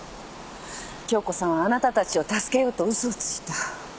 杏子さんはあなたたちを助けようと嘘をついた。